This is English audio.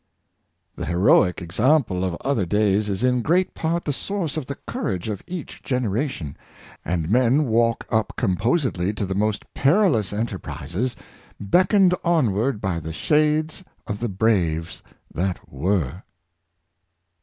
*• The heroic example of other days is in great part the source of the courage of each generation ; and men walk up composedly to the most perilous enter prises, beckoned onward by the shades of the braves that were."